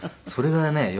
それがね